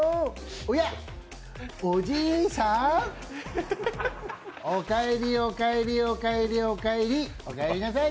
おや、おじいさん、おかえりおかえりおかえりおかえりおかえりなさい。